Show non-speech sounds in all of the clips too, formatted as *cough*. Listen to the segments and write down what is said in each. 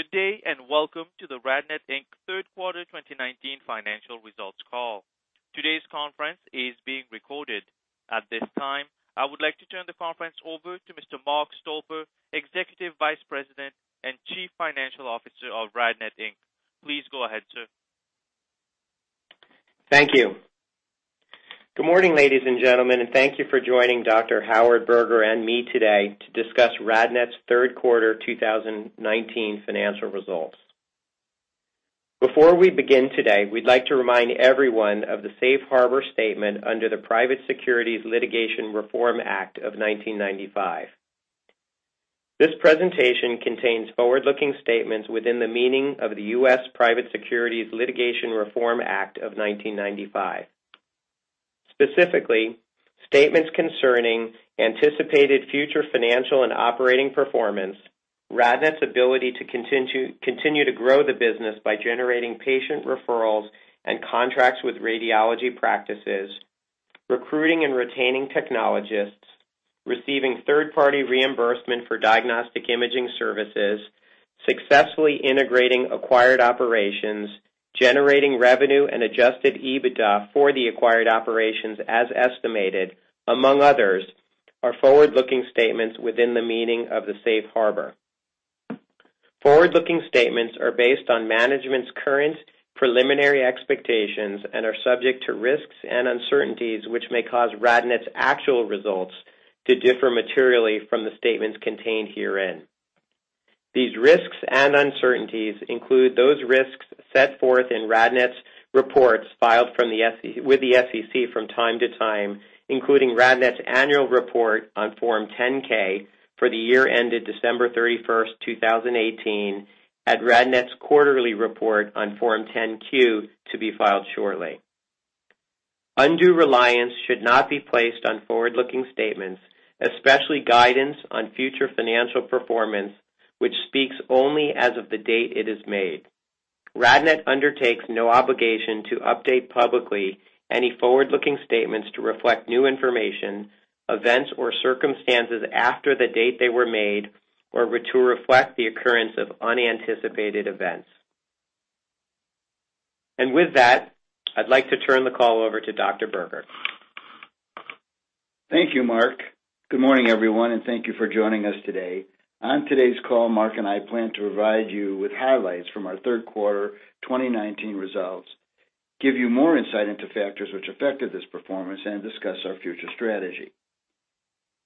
Good day, welcome to the RadNet Inc. Third Quarter 2019 Financial Results Call. Today's conference is being recorded. At this time, I would like to turn the conference over to Mr. Mark Stolper, Executive Vice President and Chief Financial Officer of RadNet Inc. Please go ahead, sir. Thank you. Good morning, ladies and gentlemen, and thank you for joining Dr. Howard Berger and me today to discuss RadNet's third quarter 2019 financial results. Before we begin today, we'd like to remind everyone of the safe harbor statement under the Private Securities Litigation Reform Act of 1995. This presentation contains forward-looking statements within the meaning of the U.S. Private Securities Litigation Reform Act of 1995. Specifically, statements concerning anticipated future financial and operating performance, RadNet's ability to continue to grow the business by generating patient referrals and contracts with radiology practices, recruiting and retaining technologists, receiving third-party reimbursement for diagnostic imaging services, successfully integrating acquired operations, generating revenue and adjusted EBITDA for the acquired operations as estimated, among others, are forward-looking statements within the meaning of the safe harbor. Forward-looking statements are based on management's current preliminary expectations and are subject to risks and uncertainties, which may cause RadNet's actual results to differ materially from the statements contained herein. These risks and uncertainties include those risks set forth in RadNet's reports filed with the SEC from time to time, including RadNet's annual report on Form 10-K for the year ended December 31st, 2018, and RadNet's quarterly report on Form 10-Q to be filed shortly. Undue reliance should not be placed on forward-looking statements, especially guidance on future financial performance, which speaks only as of the date it is made. RadNet undertakes no obligation to update publicly any forward-looking statements to reflect new information, events, or circumstances after the date they were made, or to reflect the occurrence of unanticipated events. With that, I'd like to turn the call over to Dr. Howard Berger. Thank you, Mark. Good morning, everyone, and thank you for joining us today. On today's call, Mark and I plan to provide you with highlights from our third quarter 2019 results, give you more insight into factors which affected this performance, and discuss our future strategy.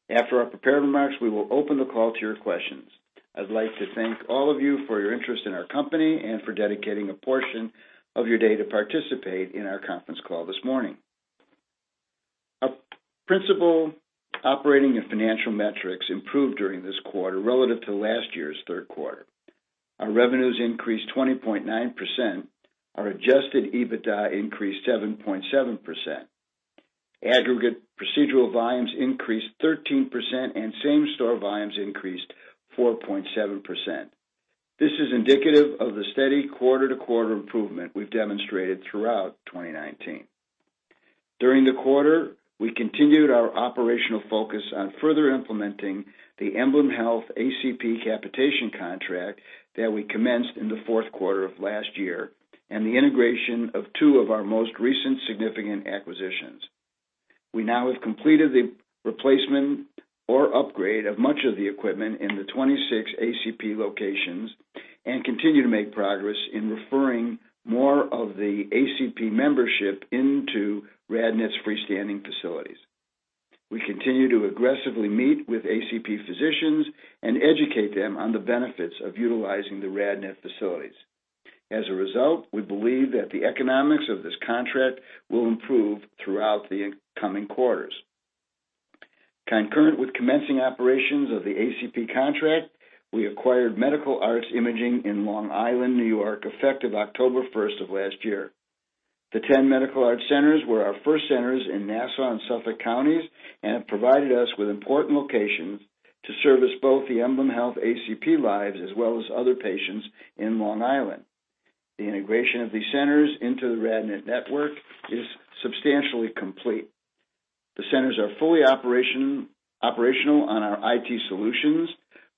After our prepared remarks, we will open the call to your questions. I'd like to thank all of you for your interest in our company and for dedicating a portion of your day to participate in our conference call this morning. Our principal operating and financial metrics improved during this quarter relative to last year's third quarter. Our revenues increased 20.9%, our adjusted EBITDA increased 7.7%. Aggregate procedural volumes increased 13%, and same-store volumes increased 4.7%. This is indicative of the steady quarter-to-quarter improvement we've demonstrated throughout 2019. During the quarter, we continued our operational focus on further implementing the EmblemHealth AdvantageCare Physicians capitation contract that we commenced in the fourth quarter of last year, and the integration of two of our most recent significant acquisitions. We now have completed the replacement or upgrade of much of the equipment in the 26 ACP locations and continue to make progress in referring more of the ACP membership into RadNet's freestanding facilities. We continue to aggressively meet with ACP physicians and educate them on the benefits of utilizing the RadNet facilities. As a result, we believe that the economics of this contract will improve throughout the coming quarters. Concurrent with commencing operations of the ACP contract, we acquired Medical Arts Radiology in Long Island, N.Y., effective October 1st of last year. The 10 Medical Arts centers were our first centers in Nassau and Suffolk Counties and have provided us with important locations to service both the EmblemHealth ACP lives as well as other patients in Long Island. The integration of these centers into the RadNet network is substantially complete. The centers are fully operational on our IT solutions,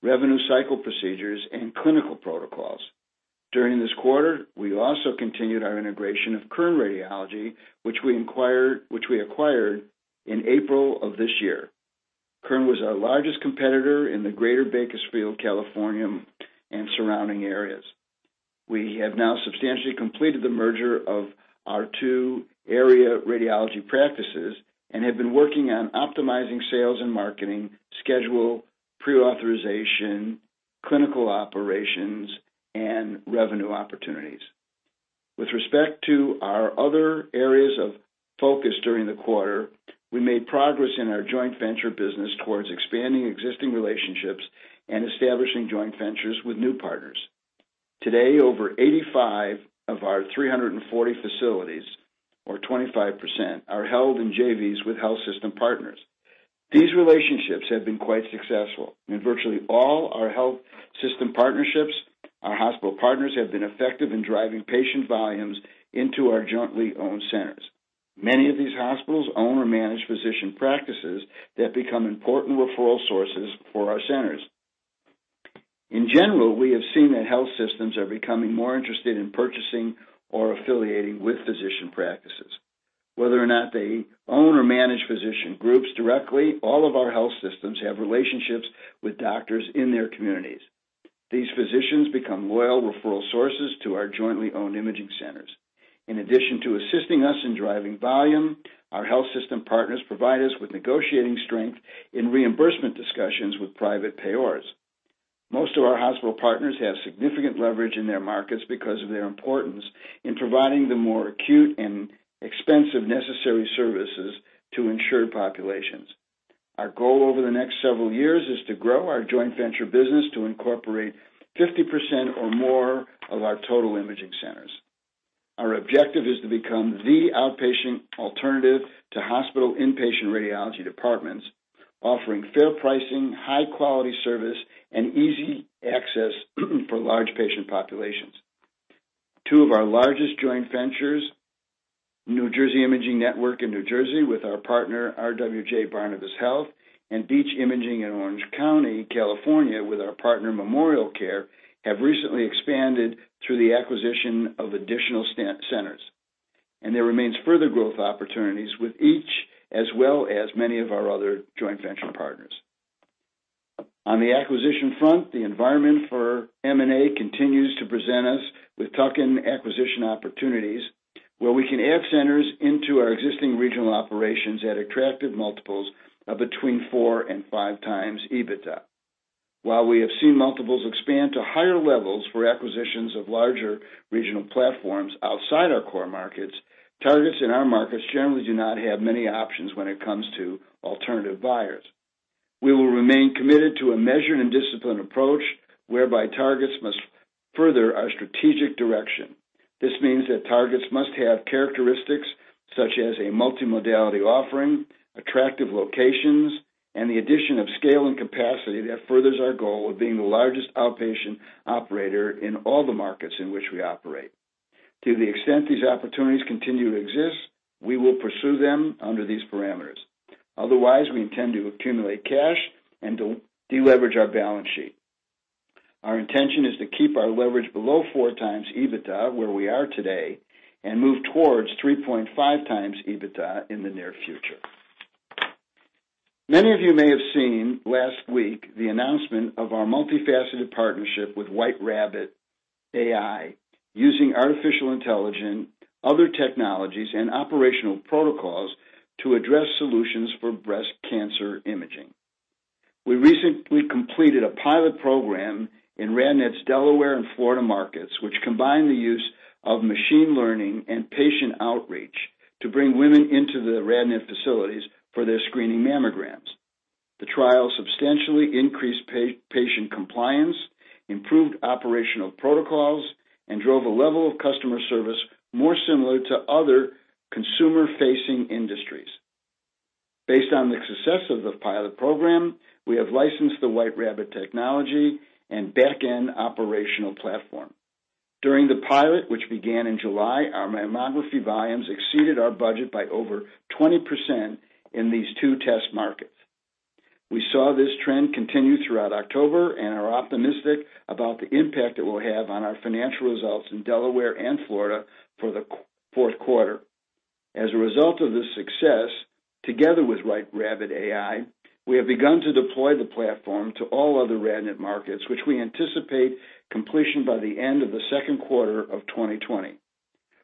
revenue cycle procedures, and clinical protocols. During this quarter, we also continued our integration of Kern Radiology, which we acquired in April of this year. Kern was our largest competitor in the greater Bakersfield, California, and surrounding areas. We have now substantially completed the merger of our two area radiology practices and have been working on optimizing sales and marketing, schedule, pre-authorization, clinical operations, and revenue opportunities. With respect to our other areas of focus during the quarter, we made progress in our joint venture business towards expanding existing relationships and establishing joint ventures with new partners. Today, over 85 of our 340 facilities, or 25%, are held in JVs with health system partners. These relationships have been quite successful, and virtually all our hospital partners have been effective in driving patient volumes into our jointly owned centers. Many of these hospitals own or manage physician practices that become important referral sources for our centers. In general, we have seen that health systems are becoming more interested in purchasing or affiliating with physician practices. Whether or not they own or manage physician groups directly, all of our health systems have relationships with doctors in their communities. These physicians become loyal referral sources to our jointly owned imaging centers. In addition to assisting us in driving volume, our health system partners provide us with negotiating strength in reimbursement discussions with private payers. Most of our hospital partners have significant leverage in their markets because of their importance in providing the more acute and expensive necessary services to insured populations. Our goal over the next several years is to grow our joint venture business to incorporate 50% or more of our total imaging centers. Our objective is to become the outpatient alternative to hospital inpatient radiology departments, offering fair pricing, high-quality service, and easy access for large patient populations. Two of our largest joint ventures, New Jersey Imaging Network in New Jersey with our partner RWJBarnabas Health, and Beach Imaging in Orange County, California, with our partner MemorialCare, have recently expanded through the acquisition of additional centers, and there remains further growth opportunities with each as well as many of our other joint venture partners. On the acquisition front, the environment for M&A continues to present us with tuck-in acquisition opportunities where we can add centers into our existing regional operations at attractive multiples of between 4x and 5x EBITDA. While we have seen multiples expand to higher levels for acquisitions of larger regional platforms outside our core markets, targets in our markets generally do not have many options when it comes to alternative buyers. We will remain committed to a measured and disciplined approach whereby targets must further our strategic direction. This means that targets must have characteristics such as a multimodality offering, attractive locations, and the addition of scale and capacity that furthers our goal of being the largest outpatient operator in all the markets in which we operate. To the extent these opportunities continue to exist, we will pursue them under these parameters. Otherwise, we intend to accumulate cash and de-leverage our balance sheet. Our intention is to keep our leverage below 4x EBITDA, where we are today, and move towards 3.5x EBITDA in the near future. Many of you may have seen last week the announcement of our multifaceted partnership with Whiterabbit.ai using artificial intelligence, other technologies, and operational protocols to address solutions for breast cancer imaging. We recently completed a pilot program in RadNet's Delaware and Florida markets, which combined the use of machine learning and patient outreach to bring women into the RadNet facilities for their screening mammograms. The trial substantially increased patient compliance, improved operational protocols, and drove a level of customer service more similar to other consumer-facing industries. Based on the success of the pilot program, we have licensed the Whiterabbit technology and back-end operational platform. During the pilot, which began in July, our mammography volumes exceeded our budget by over 20% in these two test markets. We saw this trend continue throughout October and are optimistic about the impact it will have on our financial results in Delaware and Florida for the fourth quarter. As a result of this success, together with Whiterabbit.ai, we have begun to deploy the platform to all other RadNet markets, which we anticipate completion by the end of the second quarter of 2020.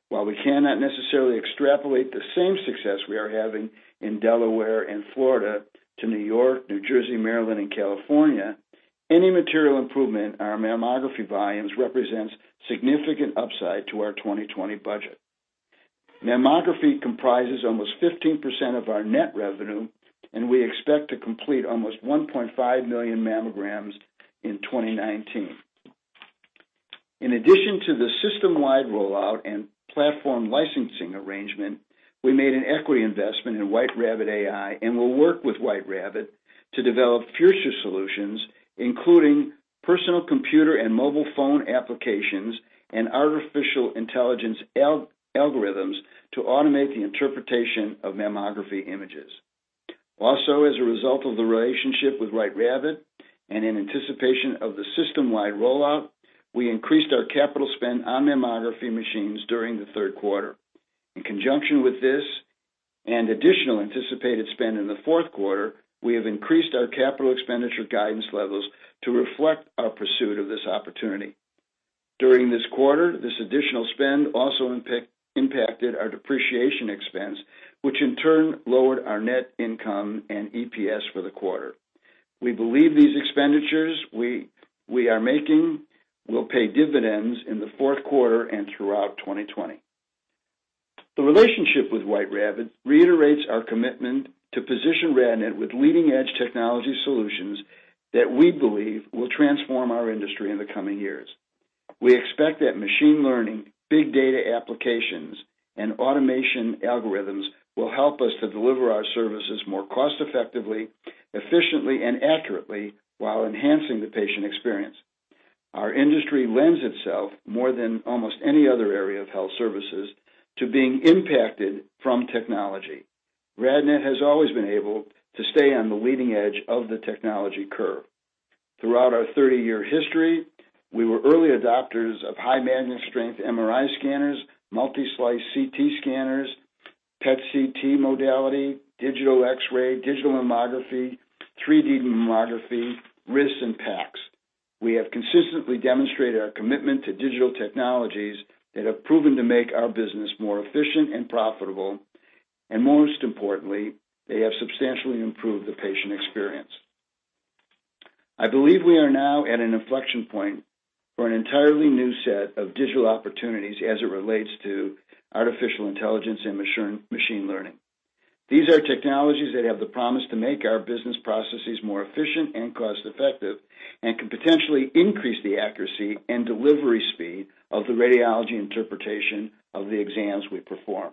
While we cannot necessarily extrapolate the same success we are having in Delaware and Florida to New York, New Jersey, Maryland, and California, any material improvement in our mammography volumes represents significant upside to our 2020 budget. Mammography comprises almost 15% of our net revenue, and we expect to complete almost 1.5 million mammograms in 2019. In addition to the system-wide rollout and platform licensing arrangement, we made an equity investment in Whiterabbit.ai and will work with Whiterabbit to develop future solutions, including personal computer and mobile phone applications and artificial intelligence algorithms to automate the interpretation of mammography images. Also, as a result of the relationship with Whiterabbit and in anticipation of the system-wide rollout, we increased our capital spend on mammography machines during the third quarter. In conjunction with this and additional anticipated spend in the fourth quarter, we have increased our capital expenditure guidance levels to reflect our pursuit of this opportunity. During this quarter, this additional spend also impacted our depreciation expense, which in turn lowered our net income and EPS for the quarter. We believe these expenditures we are making will pay dividends in the fourth quarter and throughout 2020. The relationship with Whiterabbit reiterates our commitment to position RadNet with leading-edge technology solutions that we believe will transform our industry in the coming years. We expect that machine learning, big data applications and automation algorithms will help us to deliver our services more cost-effectively, efficiently, and accurately while enhancing the patient experience. Our industry lends itself more than almost any other area of health services to being impacted from technology. RadNet has always been able to stay on the leading edge of the technology curve. Throughout our 30-year history, we were early adopters of high magnetic strength MRI scanners, multi-slice CT scanners, PET CT modality, digital X-ray, digital mammography, 3D mammography, Radiology Information System, and Picture Archiving and Communication System. We have consistently demonstrated our commitment to digital technologies that have proven to make our business more efficient and profitable, and most importantly, they have substantially improved the patient experience. I believe we are now at an inflection point for an entirely new set of digital opportunities as it relates to artificial intelligence and machine learning. These are technologies that have the promise to make our business processes more efficient and cost-effective and can potentially increase the accuracy and delivery speed of the radiology interpretation of the exams we perform.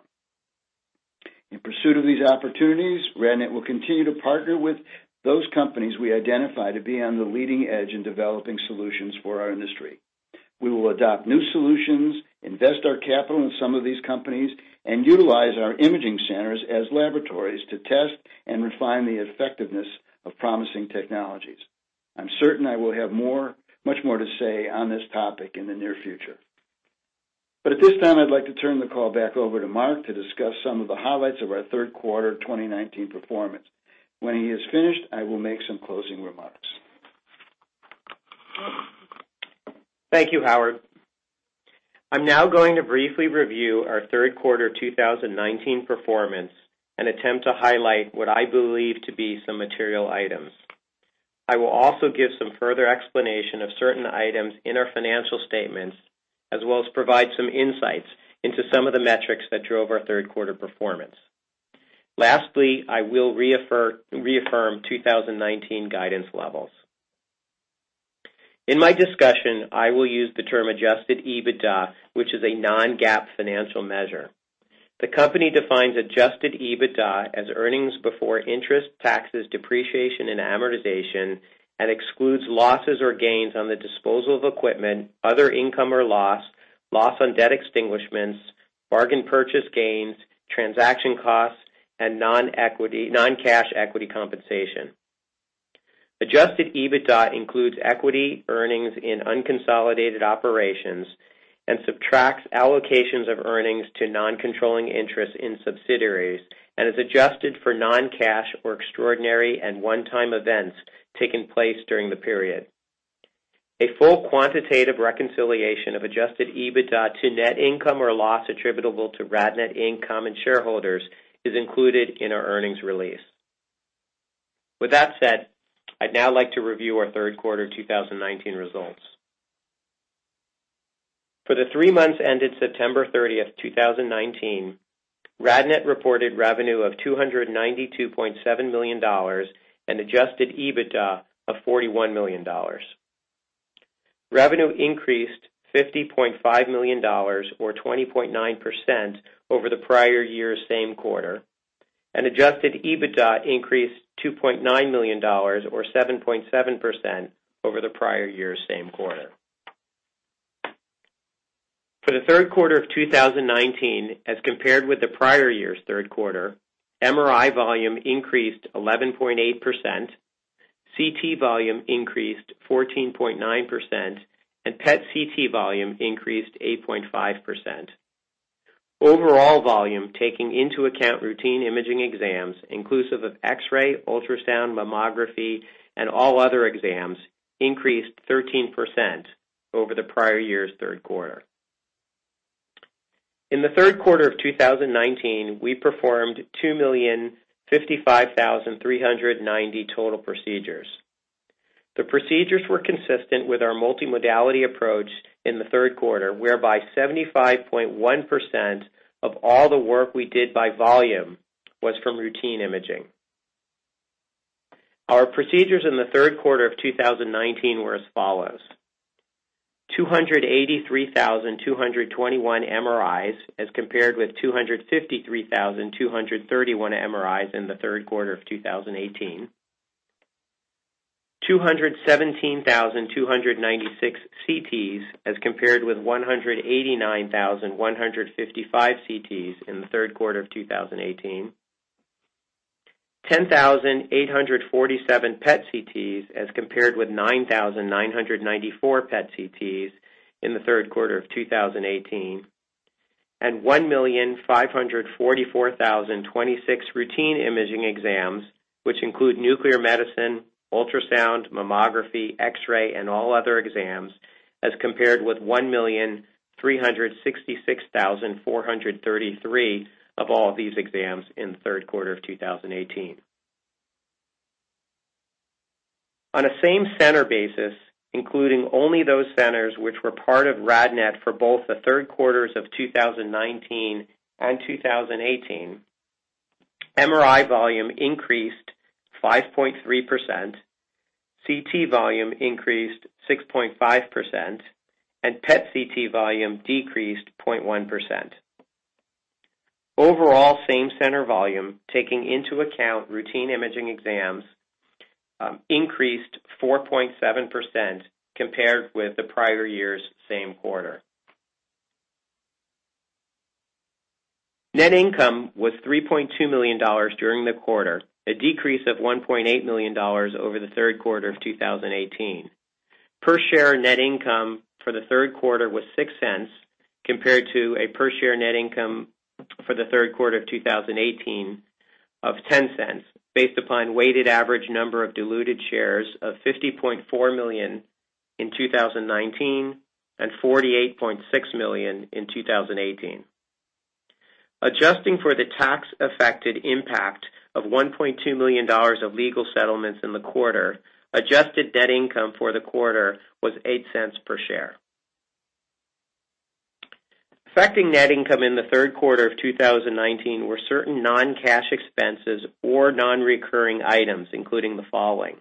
In pursuit of these opportunities, RadNet will continue to partner with those companies we identify to be on the leading edge in developing solutions for our industry. We will adopt new solutions, invest our capital in some of these companies, and utilize our imaging centers as laboratories to test and refine the effectiveness of promising technologies. I'm certain I will have much more to say on this topic in the near future. At this time, I'd like to turn the call back over to Mark to discuss some of the highlights of our third quarter 2019 performance. When he is finished, I will make some closing remarks. Thank you, Howard. I'm now going to briefly review our third quarter 2019 performance and attempt to highlight what I believe to be some material items. I will also give some further explanation of certain items in our financial statements, as well as provide some insights into some of the metrics that drove our third quarter performance. Lastly, I will reaffirm 2019 guidance levels. In my discussion, I will use the term adjusted EBITDA, which is a non-GAAP financial measure. The company defines adjusted EBITDA as earnings before interest, taxes, depreciation, and amortization and excludes losses or gains on the disposal of equipment, other income or loss on debt extinguishments, bargain purchase gains, transaction costs, and non-cash equity compensation. Adjusted EBITDA includes equity earnings in unconsolidated operations and subtracts allocations of earnings to non-controlling interests in subsidiaries and is adjusted for non-cash or extraordinary and one-time events taking place during the period. A full quantitative reconciliation of adjusted EBITDA to net income or loss attributable to RadNet income and shareholders is included in our earnings release. With that said, I'd now like to review our third quarter 2019 results. For the three months ended September 30th, 2019, RadNet reported revenue of $292.7 million and adjusted EBITDA of $41 million. Revenue increased $50.5 million, or 20.9%, over the prior year's same quarter, and adjusted EBITDA increased $2.9 million or 7.7% over the prior year's same quarter. For the third quarter of 2019 as compared with the prior year's third quarter, MRI volume increased 11.8%, CT volume increased 14.9%, and PET CT volume increased 8.5%. Overall volume, taking into account routine imaging exams inclusive of X-ray, ultrasound, mammography, and all other exams, increased 13% over the prior year's third quarter. In the third quarter of 2019, we performed 2,055,390 total procedures. The procedures were consistent with our multimodality approach in the third quarter, whereby 75.1% of all the work we did by volume was from routine imaging. Our procedures in the third quarter of 2019 were as follows. 283,221 MRIs as compared with 253,231 MRIs in the third quarter of 2018. 217,296 CTs as compared with 189,155 CTs in the third quarter of 2018. 10,847 PET CTs as compared with 9,994 PET CTs in the third quarter of 2018. 1,544,026 routine imaging exams, which include nuclear medicine, ultrasound, mammography, X-ray, and all other exams, as compared with 1,366,433 of all these exams in the third quarter of 2018. On a same-center basis, including only those centers which were part of RadNet for both the third quarters of 2019 and 2018, MRI volume increased 5.3%, CT volume increased 6.5%, and PET CT volume decreased 0.1%. Overall, same-center volume, taking into account routine imaging exams, increased 4.7% compared with the prior year's same quarter. Net income was $3.2 million during the quarter, a decrease of $1.8 million over the third quarter of 2018. Per-share net income for the third quarter was $0.06, compared to a per-share net income for the third quarter of 2018 of $0.10, based upon weighted average number of diluted shares of 50.4 million in 2019 and 48.6 million in 2018. Adjusting for the tax affected impact of $1.2 million of legal settlements in the quarter, adjusted net income for the quarter was $0.08 per share. Affecting net income in the third quarter of 2019 were certain non-cash expenses or non-recurring items, including the following: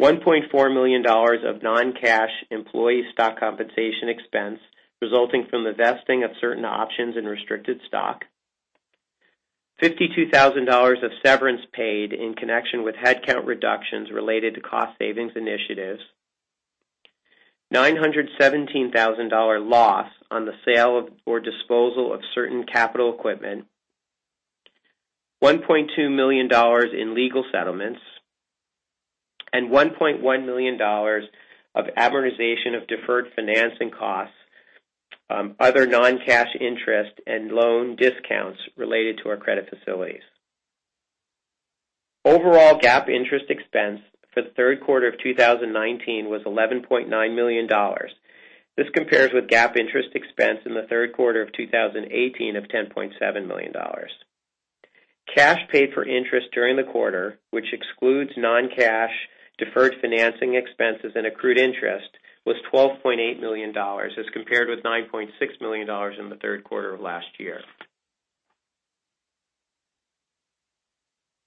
$1.4 million of non-cash employee stock compensation expense resulting from the vesting of certain options and restricted stock, $52,000 of severance paid in connection with headcount reductions related to cost savings initiatives, $917,000 loss on the sale or disposal of certain capital equipment, $1.2 million in legal settlements, and $1.1 million of amortization of deferred financing costs, other non-cash interest, and loan discounts related to our credit facilities. Overall GAAP interest expense for the third quarter of 2019 was $11.9 million. This compares with GAAP interest expense in the third quarter of 2018 of $10.7 million. Cash paid for interest during the quarter, which excludes non-cash deferred financing expenses and accrued interest, was $12.8 million, as compared with $9.6 million in the third quarter of last year.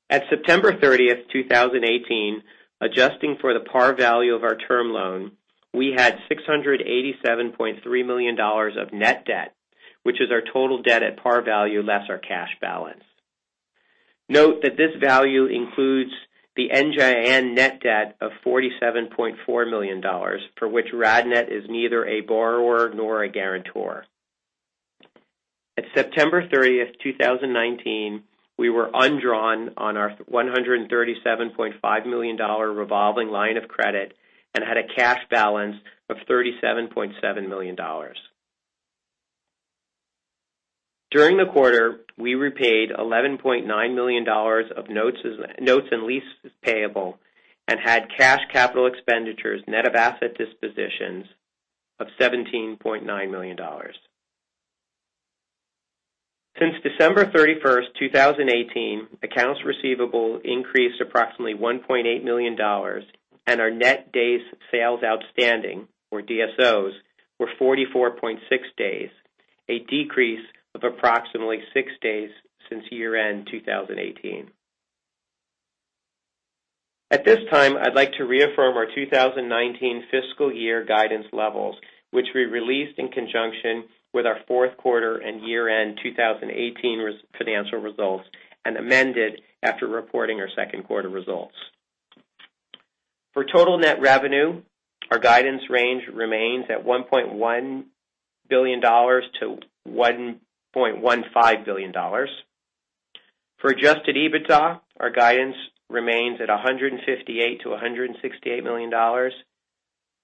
At September 30th, 2018, adjusting for the par value of our term loan, we had $687.3 million of net debt, which is our total debt at par value, less our cash balance. Note that this value includes the NJIN net debt of $47.4 million, for which RadNet is neither a borrower nor a guarantor. At September 30th, 2019, we were undrawn on our $137.5 million revolving line of credit and had a cash balance of $37.7 million. During the quarter, we repaid $11.9 million of notes and leases payable and had cash capital expenditures net of asset dispositions of $17.9 million. Since December 31st, 2018, accounts receivable increased approximately $1.8 million, and our net days sales outstanding, or DSOs, were 44.6 days, a decrease of approximately six days since year-end 2018. At this time, I'd like to reaffirm our 2019 fiscal year guidance levels, which we released in conjunction with our fourth quarter and year-end 2018 financial results and amended after reporting our second quarter results. For total net revenue, our guidance range remains at $1.1 billion-$1.15 billion. For adjusted EBITDA, our guidance remains at $158 million-$168 million.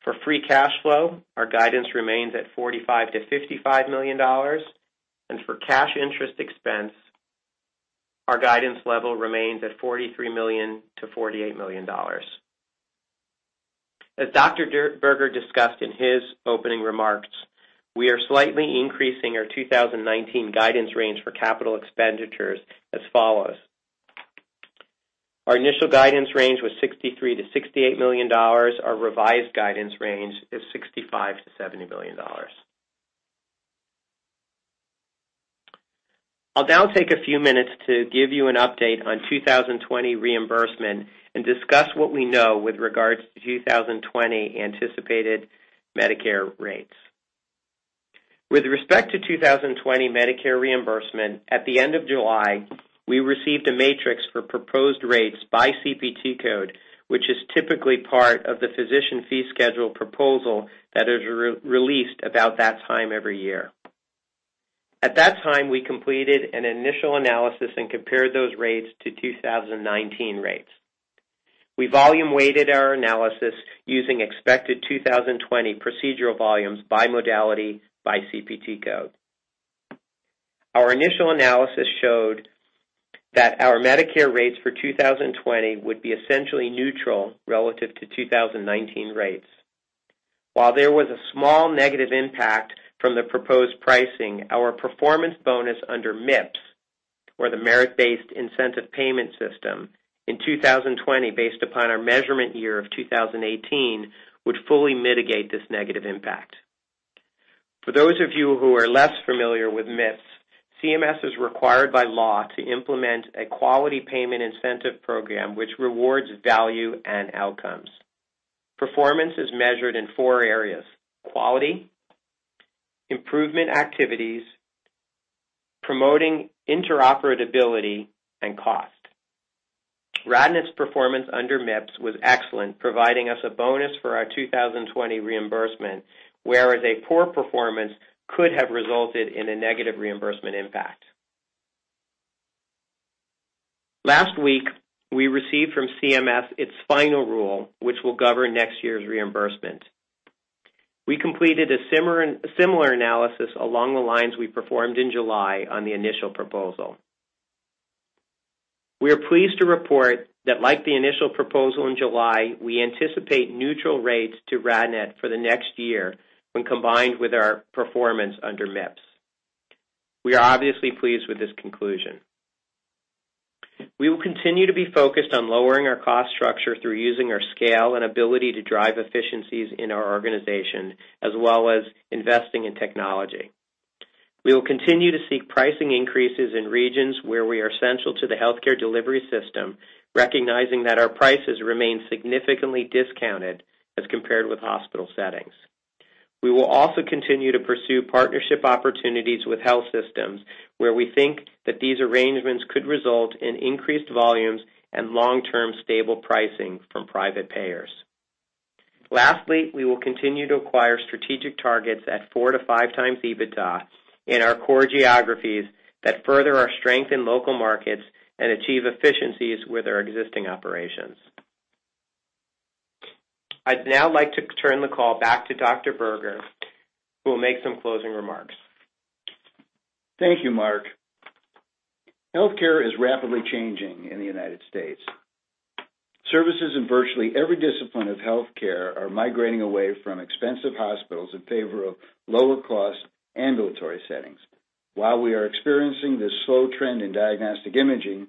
For free cash flow, our guidance remains at $45 million-$55 million. For cash interest expense, our guidance level remains at $43 million-$48 million. As Dr. Howard Berger discussed in his opening remarks, we are slightly increasing our 2019 guidance range for capital expenditures as follows. Our initial guidance range was $63 million-$68 million. Our revised guidance range is $65 million-$70 million. I'll now take a few minutes to give you an update on 2020 reimbursement and discuss what we know with regards to 2020 anticipated Medicare rates. With respect to 2020 Medicare reimbursement, at the end of July, we received a matrix for proposed rates by Current Procedural Terminology code, which is typically part of the physician fee schedule proposal that is released about that time every year. At that time, we completed an initial analysis and compared those rates to 2019 rates. We volume weighted our analysis using expected 2020 procedural volumes by modality, by CPT code. Our initial analysis showed that our Medicare rates for 2020 would be essentially neutral relative to 2019 rates. While there was a small negative impact from the proposed pricing, our performance bonus under MIPS, or the Merit-based Incentive Payment System, in 2020, based upon our measurement year of 2018, would fully mitigate this negative impact. For those of you who are less familiar with MIPS, Centers for Medicare and Medicaid Services is required by law to implement a quality payment incentive program which rewards value and outcomes. Performance is measured in four areas: quality, improvement activities, promoting interoperability, and cost. RadNet's performance under MIPS was excellent, providing us a bonus for our 2020 reimbursement, whereas a poor performance could have resulted in a negative reimbursement impact. Last week, we received from CMS its final rule, which will govern next year's reimbursement. We completed a similar analysis along the lines we performed in July on the initial proposal. We are pleased to report that, like the initial proposal in July, we anticipate neutral rates to RadNet for the next year when combined with our performance under MIPS. We are obviously pleased with this conclusion. We will continue to be focused on lowering our cost structure through using our scale and ability to drive efficiencies in our organization, as well as investing in technology. We will continue to seek pricing increases in regions where we are central to the healthcare delivery system, recognizing that our prices remain significantly discounted as compared with hospital settings. We will also continue to pursue partnership opportunities with health systems where we think that these arrangements could result in increased volumes and long-term stable pricing from private payers. Lastly, we will continue to acquire strategic targets at 4x-5x EBITDA in our core geographies that further our strength in local markets and achieve efficiencies with our existing operations. I'd now like to turn the call back to Dr. Berger, who will make some closing remarks. Thank you, Mark. Healthcare is rapidly changing in the U.S. Services in virtually every discipline of healthcare are migrating away from expensive hospitals in favor of lower-cost ambulatory settings. While we are experiencing this slow trend in diagnostic imaging,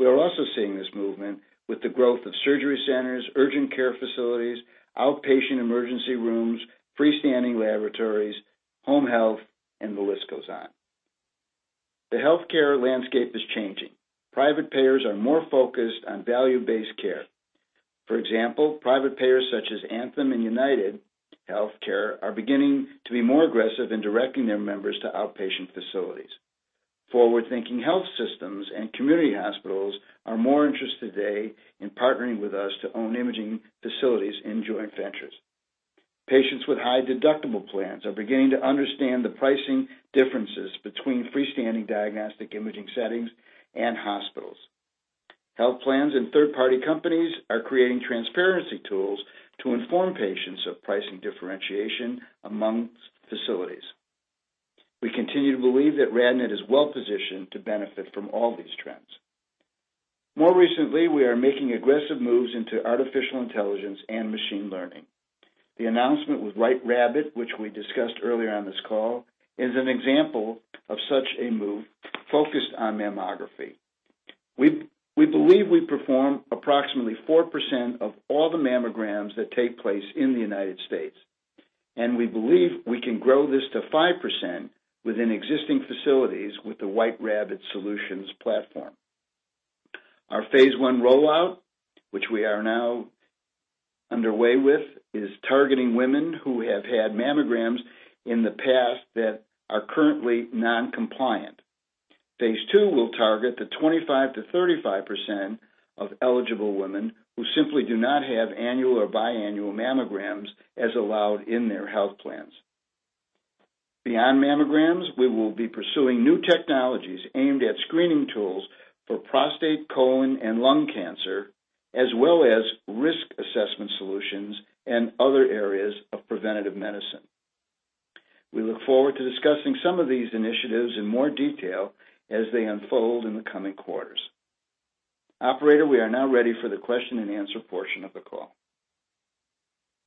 we are also seeing this movement with the growth of surgery centers, urgent care facilities, outpatient emergency rooms, freestanding laboratories, home health, and the list goes on. The healthcare landscape is changing. Private payers are more focused on value-based care. For example, private payers such as Anthem and UnitedHealthcare are beginning to be more aggressive in directing their members to outpatient facilities. Forward-thinking health systems and community hospitals are more interested today in partnering with us to own imaging facilities in joint ventures. Patients with high-deductible plans are beginning to understand the pricing differences between freestanding diagnostic imaging settings and hospitals. Health plans and third-party companies are creating transparency tools to inform patients of pricing differentiation amongst facilities. We continue to believe that RadNet is well-positioned to benefit from all these trends. More recently, we are making aggressive moves into artificial intelligence and machine learning. The announcement with Whiterabbit.ai, which we discussed earlier on this call, is an example of such a move focused on mammography. We believe we perform approximately 4% of all the mammograms that take place in the U.S., and we believe we can grow this to 5% within existing facilities with the Whiterabbit.ai Solutions platform. Our phase one rollout, which we are now underway with, is targeting women who have had mammograms in the past that are currently non-compliant. phase II will target the 25%-35% of eligible women who simply do not have annual or biannual mammograms as allowed in their health plans. Beyond mammograms, we will be pursuing new technologies aimed at screening tools for prostate, colon, and lung cancer, as well as risk assessment solutions and other areas of preventive medicine. We look forward to discussing some of these initiatives in more detail as they unfold in the coming quarters. Operator, we are now ready for the question and answer portion of the call.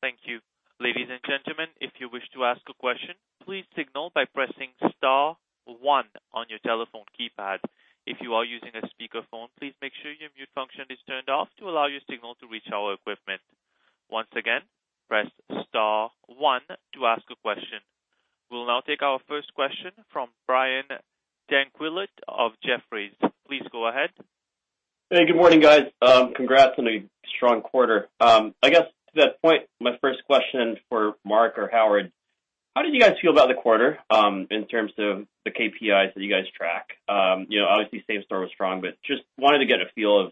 Thank you. Ladies and gentlemen, if you wish to ask a question, please signal by pressing star one on your telephone keypad. If you are using a speakerphone, please make sure your mute function is turned off to allow your signal to reach our equipment. Once again, press star one to ask a question. We'll now take our first question from Brian Tanquilut of Jefferies. Please go ahead. Hey, good morning, guys. Congrats on a strong quarter. I guess to that point, my first question for Mark or Howard, how did you guys feel about the quarter in terms of the key performance indicators that you guys track? Obviously, same store was strong, but just wanted to get a feel of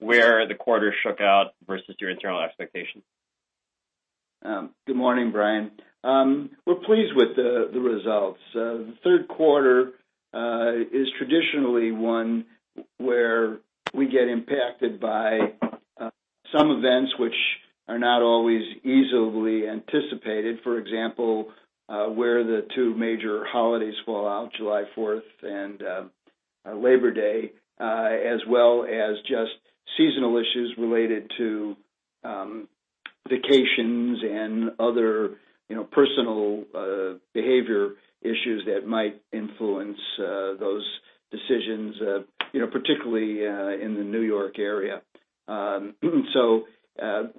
where the quarter shook out versus your internal expectations. Good morning, Brian. We're pleased with the results. The third quarter is traditionally one where we get impacted by some events which are not always easily anticipated. For example, where the two major holidays fall out, July 4th and Labor Day, as well as just seasonal issues related to vacations and other personal behavior issues that might influence those decisions, particularly in the New York area.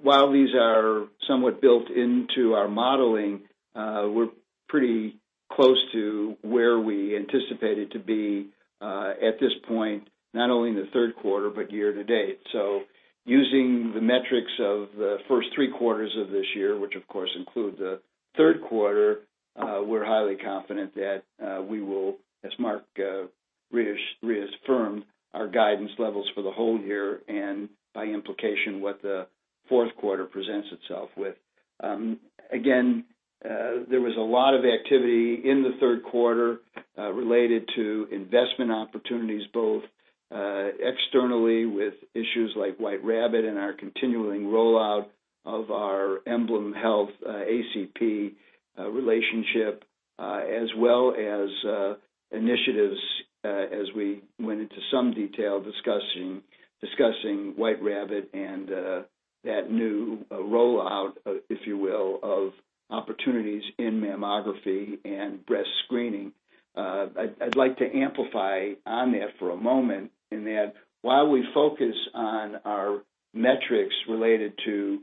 While these are somewhat built into our modeling, we're pretty close to where we anticipated to be at this point, not only in the third quarter, but year-to-date. Using the metrics of the first three quarters of this year, which, of course, include the third quarter, we're highly confident that we will, as Mark reaffirmed, our guidance levels for the whole year and by implication, what the fourth quarter presents itself with. There was a lot of activity in the third quarter related to investment opportunities, both externally with issues like Whiterabbit.ai and our continuing rollout of our EmblemHealth ACP relationship as well as initiatives as we went into some detail discussing Whiterabbit.ai and that new rollout, if you will, of opportunities in mammography and breast screening. I'd like to amplify on that for a moment in that while we focus on our metrics related to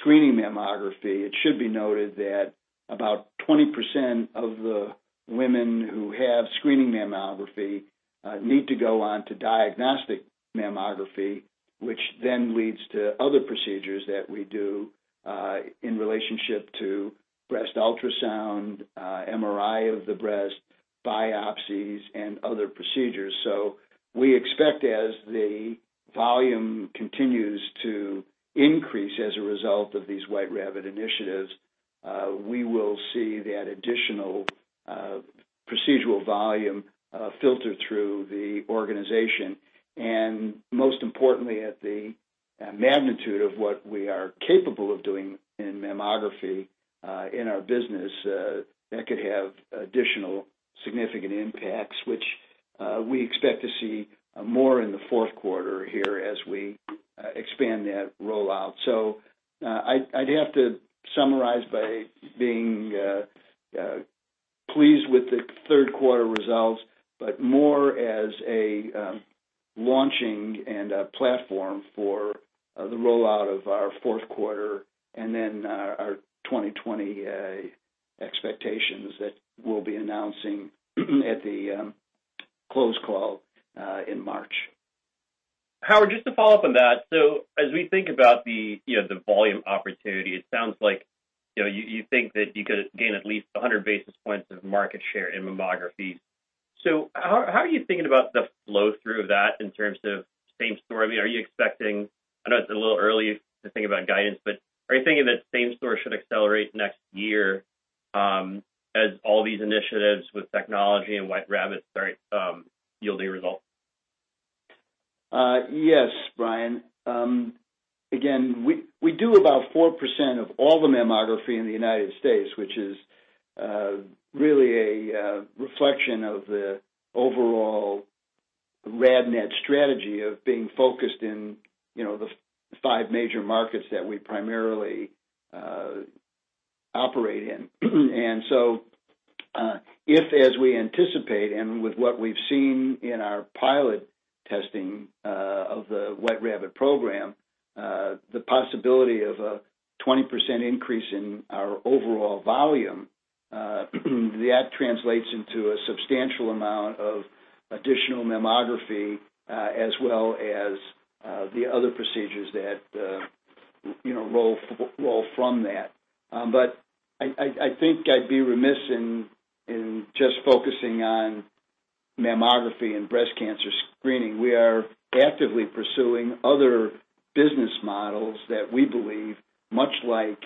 screening mammography, it should be noted that about 20% of the women who have screening mammography need to go on to diagnostic mammography, which then leads to other procedures that we do in relationship to breast ultrasound, MRI of the breast, biopsies, and other procedures. We expect as the volume continues to increase as a result of these Whiterabbit.ai initiatives, we will see that additional procedural volume filter through the organization. Most importantly, at the magnitude of what we are capable of doing in mammography in our business, that could have additional significant impacts, which we expect to see more in the fourth quarter here as we expand that rollout. I'd have to summarize by being pleased with the third quarter results, but more as a launching and a platform for the rollout of our fourth quarter, and then our 2020 expectations that we'll be announcing at the close call in March. Howard, just to follow up on that. As we think about the volume opportunity, it sounds like you think that you could gain at least 100 basis points of market share in mammography. How are you thinking about the flow-through of that in terms of same store? I know it's a little early to think about guidance, but are you thinking that same store should accelerate next year as all these initiatives with technology and Whiterabbit.ai start yielding results? Yes, Brian. We do about 4% of all the mammography in the United States, which is really a reflection of the overall RadNet strategy of being focused in the five major markets that we primarily operate in. If as we anticipate, and with what we've seen in our pilot testing of the Whiterabbit program, the possibility of a 20% increase in our overall volume, that translates into a substantial amount of additional mammography, as well as the other procedures that roll from that. I think I'd be remiss in just focusing on mammography and breast cancer screening. We are actively pursuing other business models that we believe much like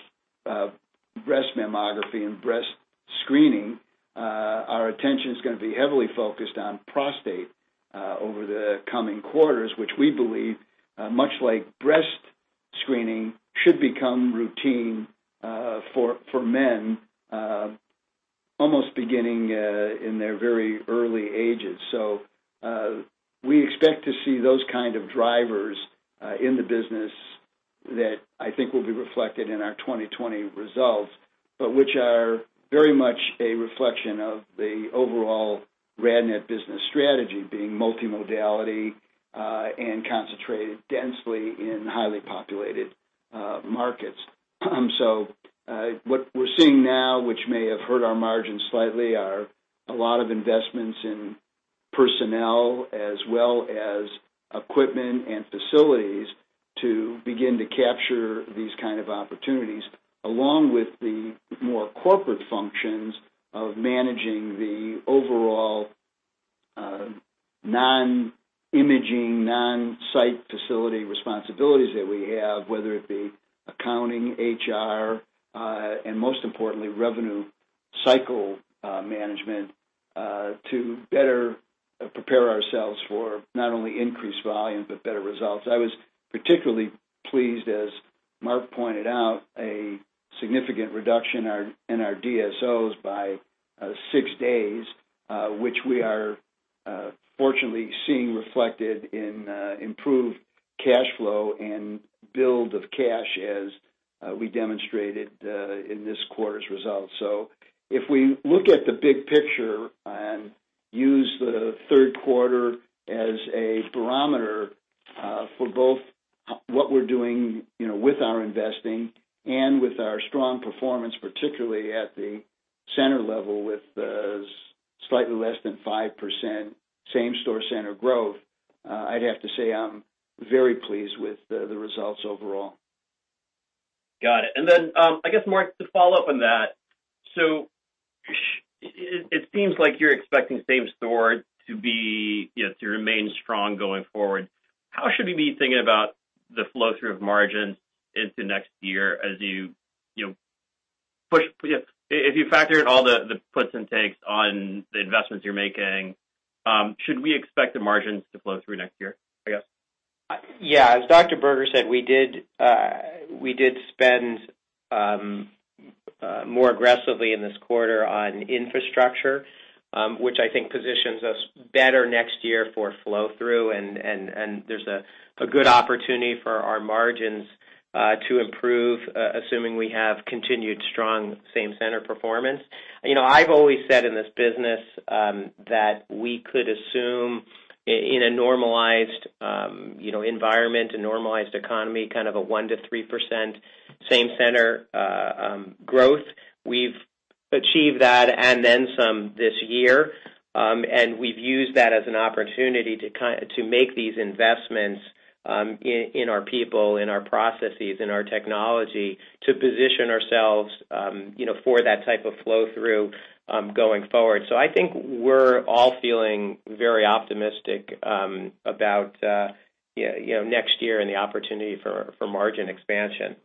breast mammography and breast screening, our attention is going to be heavily focused on prostate over the coming quarters, which we believe much like breast screening should become routine for men almost beginning in their very early ages. We expect to see those kind of drivers in the business that I think will be reflected in our 2020 results, but which are very much a reflection of the overall RadNet business strategy being multimodality, and concentrated densely in highly populated markets. What we're seeing now, which may have hurt our margins slightly, are a lot of investments in personnel as well as equipment and facilities to begin to capture these kind of opportunities, along with the more corporate functions of managing the overall non-imaging, non-site facility responsibilities that we have, whether it be accounting, HR, and most importantly, revenue cycle management, to better prepare ourselves for not only increased volume but better results. I was particularly pleased, as Mark pointed out, a significant reduction in our DSOs by six days, which we are fortunately seeing reflected in improved cash flow and build of cash as we demonstrated in this quarter's results. If we look at the big picture Use the third quarter as a barometer for both what we're doing with our investing and with our strong performance, particularly at the center level with the slightly less than 5% same-store center growth. I'd have to say I'm very pleased with the results overall. Got it. Then, I guess, Mark, to follow up on that, it seems like you're expecting same-store to remain strong going forward. How should we be thinking about the flow-through of margins into next year as you factor in all the puts and takes on the investments you're making, should we expect the margins to flow through next year, I guess? Yeah. As Dr. Berger said, we did spend more aggressively in this quarter on infrastructure, which I think positions us better next year for flow-through. There's a good opportunity for our margins to improve, assuming we have continued strong same center performance. I've always said in this business that we could assume in a normalized environment, a normalized economy, kind of a 1%-3% same center growth. We've achieved that and then some this year. We've used that as an opportunity to make these investments in our people, in our processes, in our technology to position ourselves for that type of flow-through going forward. I think we're all feeling very optimistic about next year and the opportunity for margin expansion.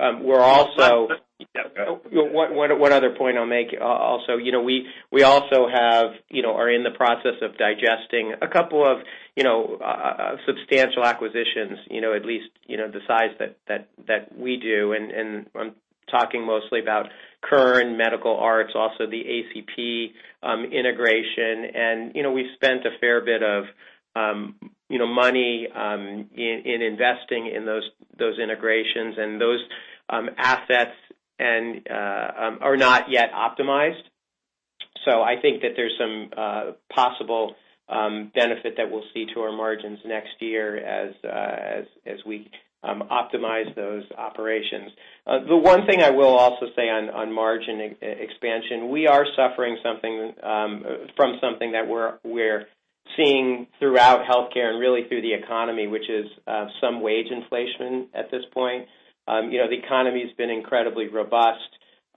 One other point I'll make also, we also are in the process of digesting a couple of substantial acquisitions, at least, the size that we do. I'm talking mostly about Kern, Medical Arts, also the ACP integration. We've spent a fair bit of money in investing in those integrations and those assets are not yet optimized. I think that there's some possible benefit that we'll see to our margins next year as we optimize those operations. The one thing I will also say on margin expansion, we are suffering from something that we're seeing throughout healthcare and really through the economy, which is some wage inflation at this point. The economy's been incredibly robust.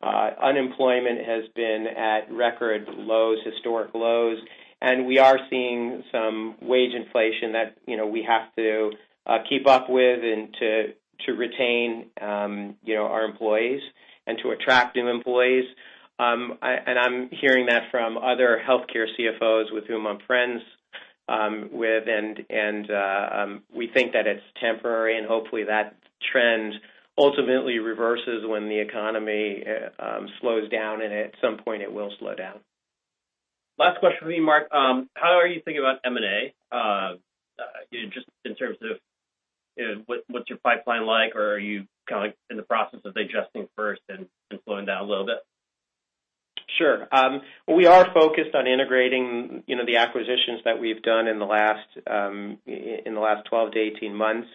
Unemployment has been at record lows, historic lows, and we are seeing some wage inflation that we have to keep up with and to retain our employees and to attract new employees. I'm hearing that from other healthcare CFOs with whom I'm friends with, and we think that it's temporary and hopefully that trend ultimately reverses when the economy slows down, and at some point it will slow down. Last question for you, Mark. How are you thinking about M&A? Just in terms of what's your pipeline like, or are you in the process of digesting first and slowing down a little bit? Sure. We are focused on integrating the acquisitions that we've done in the last 12-18 months.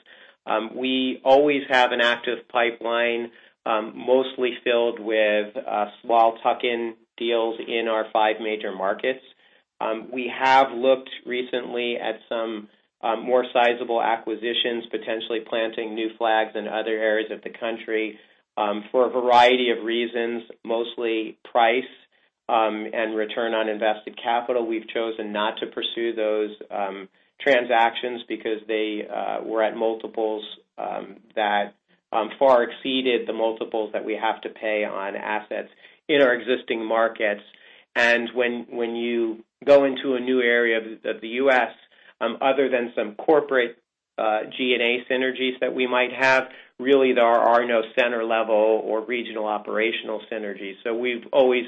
We always have an active pipeline, mostly filled with small tuck-in deals in our five major markets. We have looked recently at some more sizable acquisitions, potentially planting new flags in other areas of the country. For a variety of reasons, mostly price and return on invested capital, we've chosen not to pursue those transactions because they were at multiples that far exceeded the multiples that we have to pay on assets in our existing markets. When you go into a new area of the U.S., other than some corporate G&A synergies that we might have, really, there are no center-level or regional operational synergies. We've always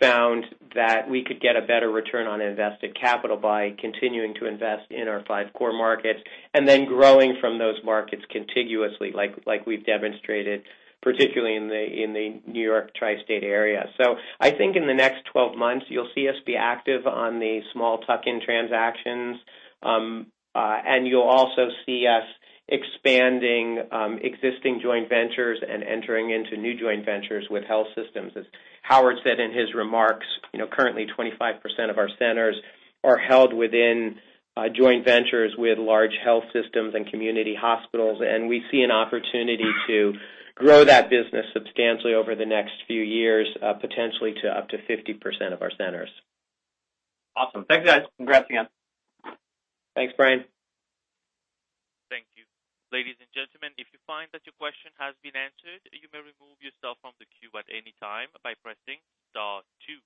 found that we could get a better return on invested capital by continuing to invest in our five core markets and then growing from those markets contiguously, like we've demonstrated, particularly in the New York tristate area. You'll also see us be active on the small tuck-in transactions. You'll also see us expanding existing joint ventures and entering into new joint ventures with health systems. As Howard said in his remarks, currently 25% of our centers are held within joint ventures with large health systems and community hospitals, and we see an opportunity to grow that business substantially over the next few years, potentially to up to 50% of our centers. Awesome. Thanks, guys. Congrats again. Thanks, Brian. Thank you. Ladies and gentlemen, if you find that your question has been answered, you may remove yourself from the queue at any time by pressing star two.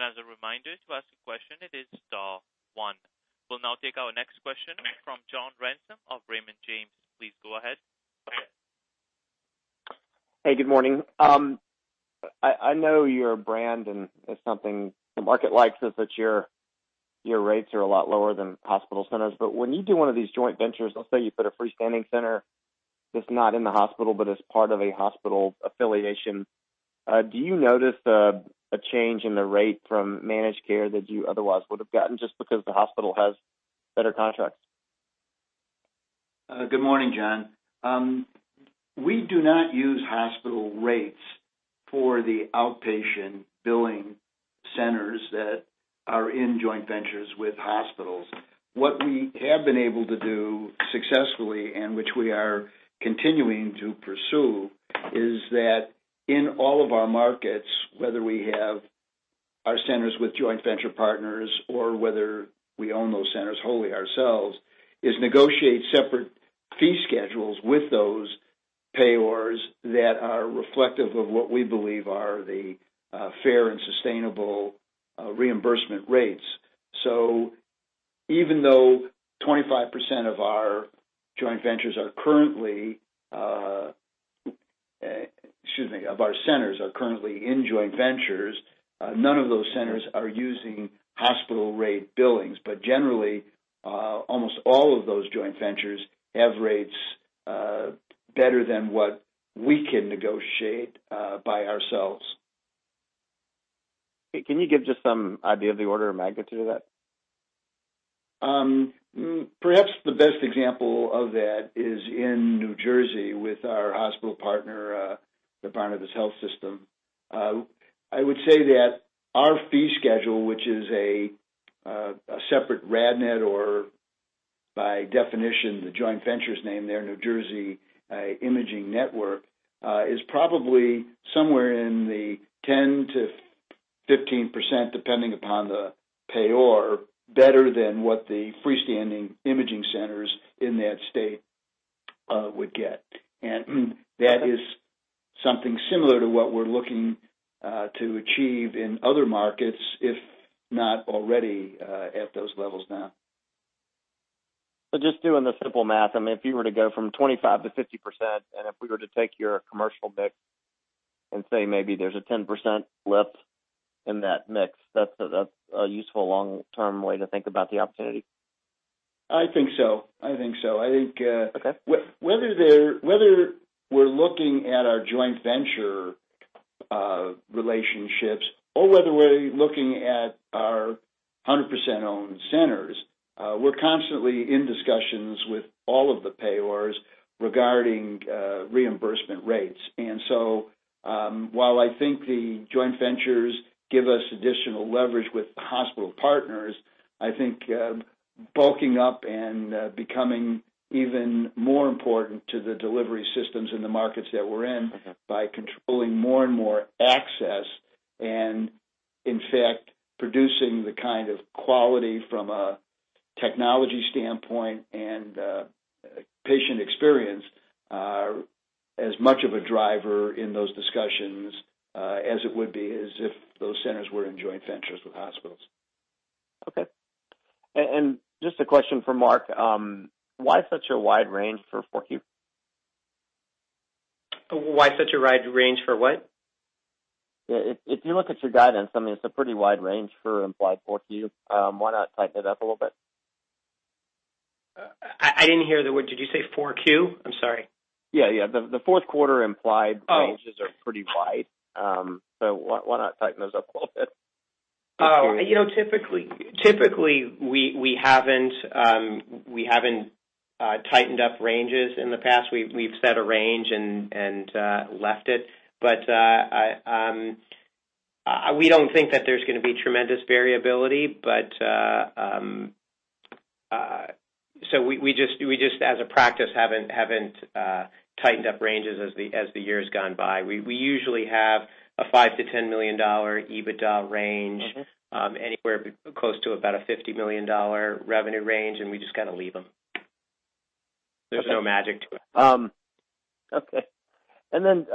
As a reminder, to ask a question, it is star one. We'll now take our next question from John Ransom of Raymond James. Please go ahead. Hey, good morning. I know your brand and it's something the market likes is that Your rates are a lot lower than hospital centers. When you do one of these joint ventures, let's say you put a freestanding center that's not in the hospital, but is part of a hospital affiliation, do you notice a change in the rate from managed care that you otherwise would have gotten just because the hospital has better contracts? Good morning, John. We do not use hospital rates for the outpatient billing centers that are in joint ventures with hospitals. What we have been able to do successfully, and which we are continuing to pursue, is that in all of our markets, whether we have our centers with joint venture partners or whether we own those centers wholly ourselves, is negotiate separate fee schedules with those payers that are reflective of what we believe are the fair and sustainable reimbursement rates. Even though 25% of our centers are currently in joint ventures, none of those centers are using hospital rate billings. Generally, almost all of those joint ventures have rates better than what we can negotiate by ourselves. Can you give just some idea of the order of magnitude of that? Perhaps the best example of that is in New Jersey with our hospital partner, the Barnabas Health system. I would say that our fee schedule, which is a separate RadNet, or by definition, the joint venture's name there, New Jersey Imaging Network, is probably somewhere in the 10%-15%, depending upon the payer, better than what the freestanding imaging centers in that state would get. That is something similar to what we're looking to achieve in other markets, if not already at those levels now. Just doing the simple math, if you were to go from 25% to 50%, and if we were to take your commercial mix and say maybe there's a 10% lift in that mix, that's a useful long-term way to think about the opportunity? I think so. Okay. Whether we're looking at our joint venture relationships or whether we're looking at our 100% owned centers, we're constantly in discussions with all of the payers regarding reimbursement rates. While I think the joint ventures give us additional leverage with hospital partners, I think bulking up and becoming even more important to the delivery systems in the markets that we're in, by controlling more and more access and, in fact, producing the kind of quality from a technology standpoint and patient experience are as much of a driver in those discussions as it would be as if those centers were in joint ventures with hospitals. Okay. Just a question for Mark. Why such a wide range for 4Q? Why such a wide range for what? If you look at your guidance, it's a pretty wide range for implied 4Q. Why not tighten it up a little bit? I didn't hear the word. Did you say 4Q? I'm sorry. Yeah. The fourth quarter implied *crosstalk* ranges are pretty wide. Why not tighten those up a little bit? Just curious. Typically, we haven't tightened up ranges. In the past, we've set a range and left it. We don't think that there's going to be tremendous variability, so we just, as a practice, haven't tightened up ranges as the years gone by. We usually have a $5 million-$10 million EBITDA range anywhere close to about a $50 million revenue range, and we just kind of leave them. There's no magic to it. Okay. Then,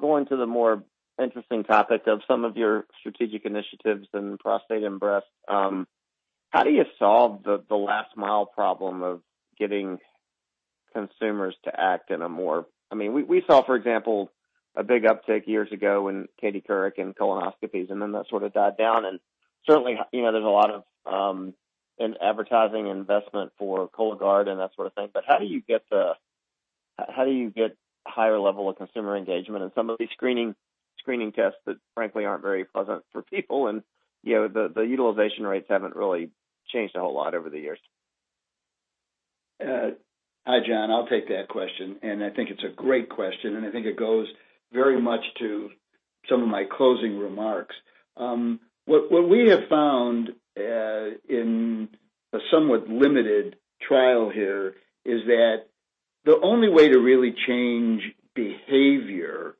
going to the more interesting topic of some of your strategic initiatives in prostate and breast, how do you solve the last mile problem of getting consumers to act? We saw, for example, a big uptick years ago in Katie Couric in colonoscopies, and then that sort of died down. Certainly, there's a lot of advertising investment for Cologuard and that sort of thing. How do you get a higher level of consumer engagement in some of these screening tests that, frankly, aren't very pleasant for people? The utilization rates haven't really changed a whole lot over the years. Hi, John. I'll take that question, and I think it's a great question, and I think it goes very much to some of my closing remarks. What we have found in a somewhat limited trial here is that the only way to really change behavior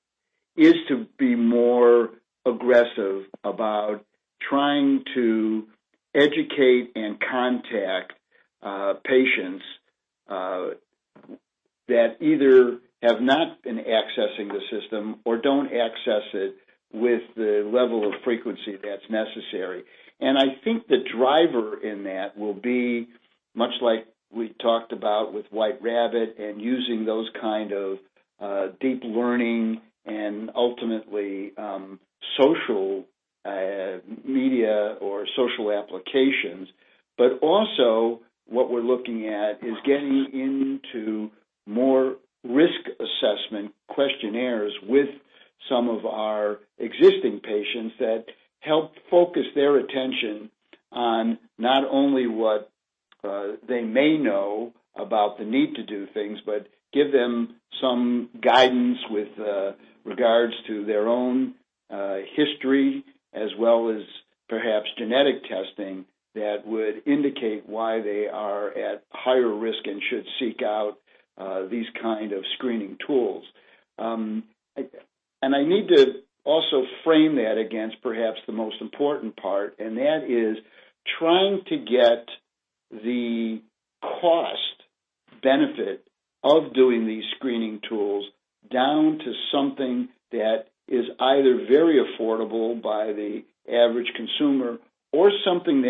is to be more aggressive about trying to educate and contact patients that either have not been accessing the system or don't access it with the level of frequency that's necessary. I think the driver in that will be much like we talked about with Whiterabbit.ai and using those kind of deep learning and ultimately social media or social applications. Also what we're looking at is getting into more risk assessment questionnaires with some of our existing patients that help focus their attention on not only what they may know about the need to do things, but give them some guidance with regards to their own history, as well as perhaps genetic testing that would indicate why they are at higher risk and should seek out these kind of screening tools. I need to also frame that against perhaps the most important part, and that is trying to get the cost benefit of doing these screening tools down to something that is either very affordable by the average consumer or something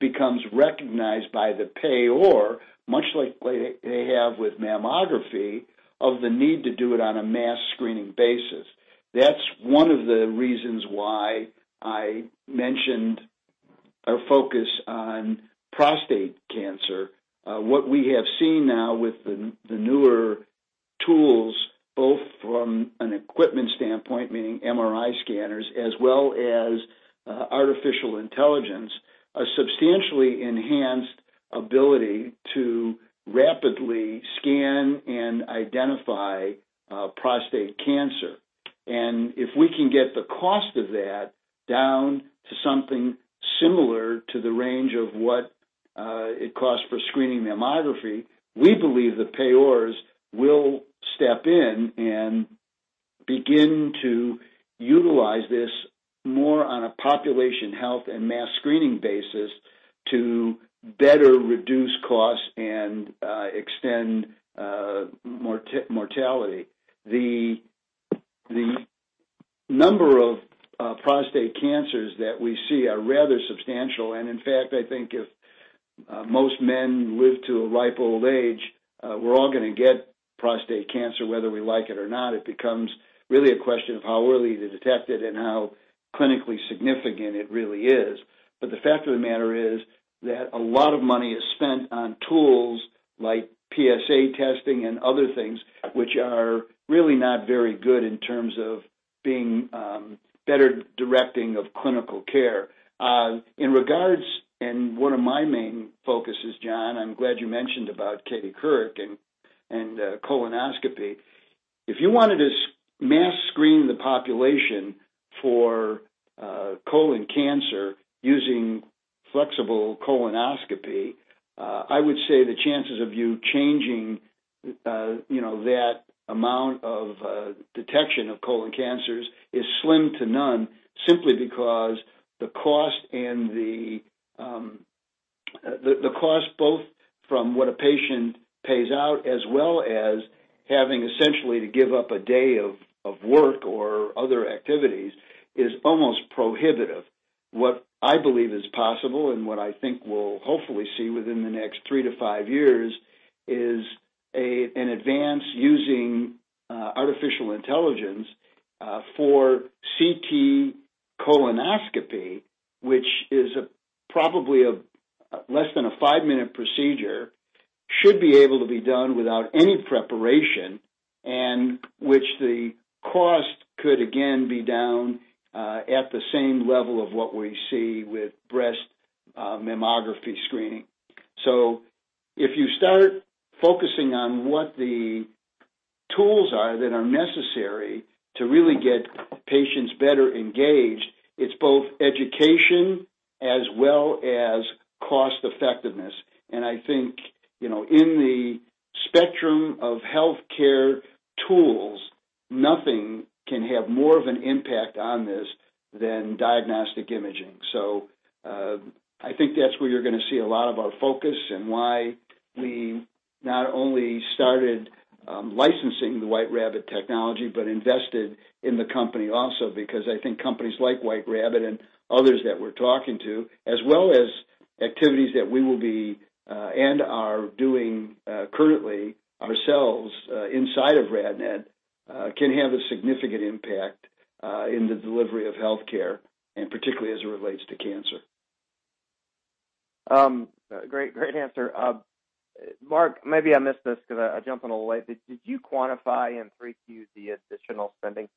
that becomes recognized by the payer, much like they have with mammography, of the need to do it on a mass screening basis. That's one of the reasons why I mentioned our focus on prostate cancer. What we have seen now with the newer tools, both from an equipment standpoint, meaning MRI scanners, as well as artificial intelligence, a substantially enhanced ability to rapidly scan and identify prostate cancer. If we can get the cost of that down to something similar to the range of what it costs for screening mammography, we believe the payers will step in and begin to utilize this more on a population health and mass screening basis to better reduce costs and extend mortality. The number of prostate cancers that we see are rather substantial. In fact, I think if most men live to a ripe old age, we're all going to get prostate cancer whether we like it or not. It becomes really a question of how early to detect it and how clinically significant it really is. The fact of the matter is that a lot of money is spent on tools like PSA testing and other things which are really not very good in terms of being better directing of clinical care. In regards, and one of my main focuses, John, I'm glad you mentioned about Katie Couric and colonoscopy. If you wanted to mass screen the population for colon cancer using flexible colonoscopy, I would say the chances of you changing that amount of detection of colon cancers is slim to none, simply because the cost both from what a patient pays out as well as having essentially to give up a day of work or other activities, is almost prohibitive. What I believe is possible and what I think we'll hopefully see within the next three to five years is an advance using artificial intelligence for CT colonoscopy, which is probably less than a five-minute procedure, should be able to be done without any preparation, and which the cost could again be down at the same level of what we see with breast mammography screening. If you start focusing on what the tools are that are necessary to really get patients better engaged, it's both education as well as cost effectiveness. I think, in the spectrum of healthcare tools, nothing can have more of an impact on this than diagnostic imaging. I think that's where you're going to see a lot of our focus and why we not only started licensing the Whiterabbit.ai technology, but invested in the company also because I think companies like Whiterabbit.ai and others that we're talking to, as well as activities that we will be, and are doing currently ourselves inside of RadNet, can have a significant impact in the delivery of healthcare, and particularly as it relates to cancer. Great answer. Mark, maybe I missed this because I jumped on a little late. Did you quantify in 3Q the additional spending?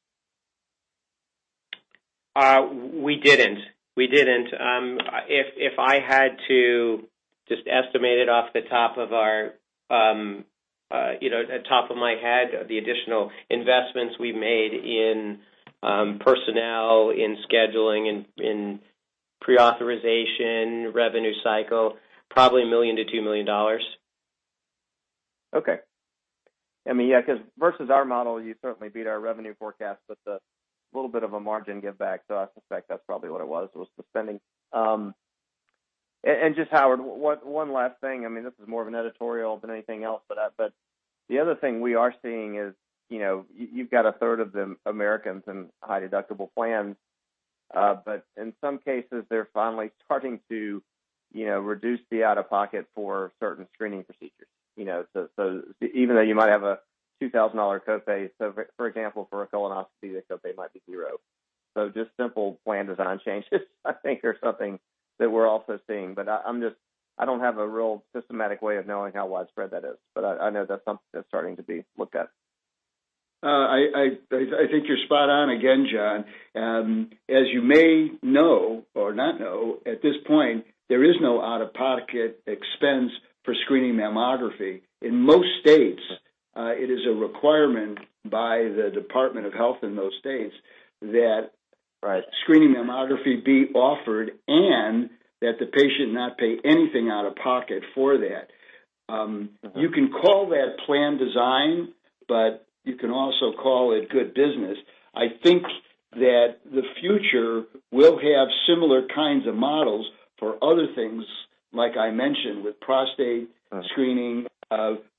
We didn't. If I had to just estimate it off the top of my head, the additional investments we made in personnel, in scheduling, in pre-authorization, revenue cycle, probably $1 million-$2 million. Okay. Versus our model, you certainly beat our revenue forecast with a little bit of a margin giveback. I suspect that's probably what it was the spending. Just, Howard, one last thing. This is more of an editorial than anything else. The other thing we are seeing is you've got a third of Americans in high deductible plans. In some cases, they're finally starting to reduce the out-of-pocket for certain screening procedures. Even though you might have a $2,000 co-pay, for example, for a colonoscopy, the co-pay might be zero. Just simple plan design changes, I think they're something that we're also seeing, but I don't have a real systematic way of knowing how widespread that is. I know that's something that's starting to be looked at. I think you're spot on again, John. As you may know or not know, at this point, there is no out-of-pocket expense for screening mammography. In most states, it is a requirement by the Department of Health in those states that *crosstalk* screening mammography be offered and that the patient not pay anything out of pocket for that. You can call that plan design, but you can also call it good business. I think that the future will have similar kinds of models for other things, like I mentioned, with prostate screening,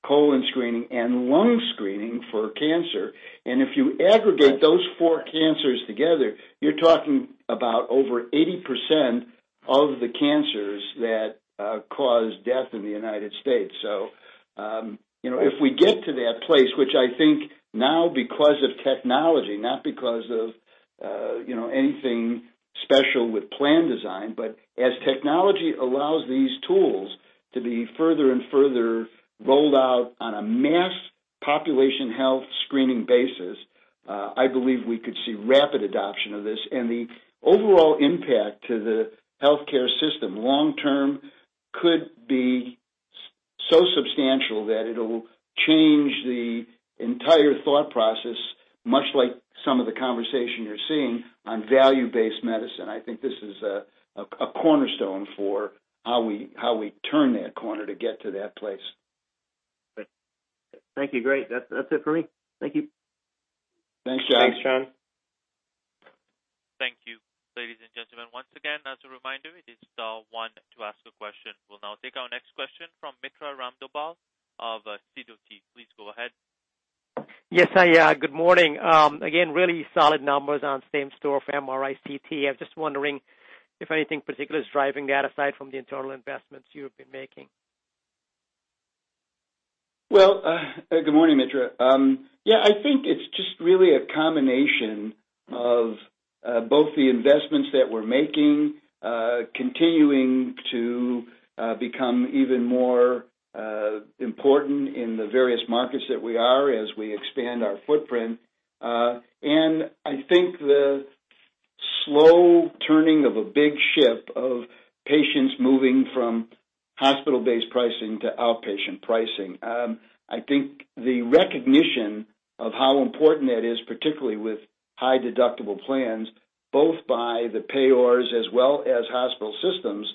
colon screening, and lung screening for cancer. If you aggregate those four cancers together, you're talking about over 80% of the cancers that cause death in the U.S. If we get to that place, which I think now because of technology, not because of anything special with plan design, but as technology allows these tools to be further and further rolled out on a mass population health screening basis, I believe we could see rapid adoption of this. The overall impact to the healthcare system long term could be so substantial that it'll change the entire thought process, much like some of the conversation you're seeing on value-based medicine. I think this is a cornerstone for how we turn that corner to get to that place. Great. Thank you. Great. That's it for me. Thank you. Thanks, John. Thanks, John. Thank you. Ladies and gentlemen, once again, as a reminder, it is star one to ask a question. We'll now take our next question from Mitra Ramgopal of Sidoti. Please go ahead. Yes. Good morning. Again, really solid numbers on same-store for MRI CT. I was just wondering if anything particular is driving that aside from the internal investments you have been making. Well, good morning, Mitra. I think it's just really a combination of both the investments that we're making, continuing to become even more important in the various markets that we are as we expand our footprint. I think the slow turning of a big ship of patients moving from hospital-based pricing to outpatient pricing. I think the recognition of how important that is, particularly with high deductible plans, both by the payers as well as hospital systems,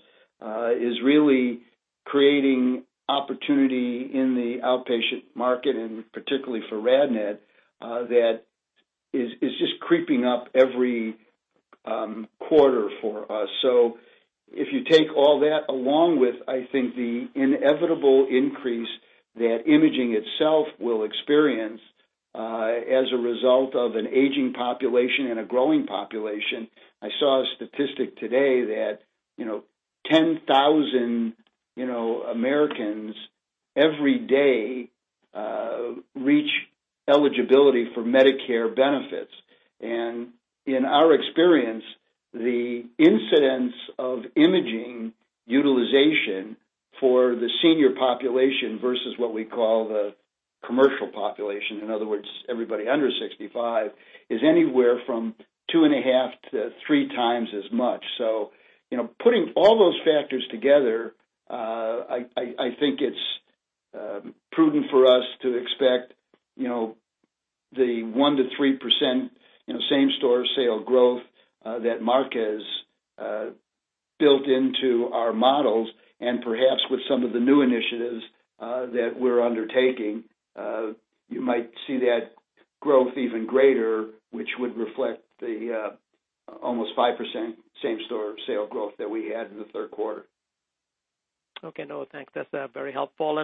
is really creating opportunity in the outpatient market, and particularly for RadNet, that is just creeping up every quarter for us. If you take all that along with, I think the inevitable increase that imaging itself will experience, as a result of an aging population and a growing population, I saw a statistic today that 10,000 Americans every day reach eligibility for Medicare benefits. In our experience, the incidence of imaging utilization for the senior population versus what we call the commercial population, in other words, everybody under 65, is anywhere from 2.5x-3x as much. Putting all those factors together, I think it's prudent for us to expect the 1%-3% same-store sale growth that Mark has built into our models. Perhaps with some of the new initiatives that we're undertaking, you might see that growth even greater, which would reflect the almost 5% same-store sale growth that we had in the third quarter. Okay. No, thanks. That's very helpful.